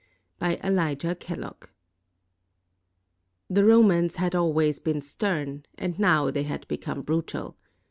] BY ELIJAH KELLOGG [The Romans had always been stern, and now they had become brutal.